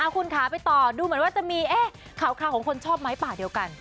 คุณขาไปต่อดูเหมือนว่าจะมีข่าวของคนชอบไม้ป่าเดียวกัน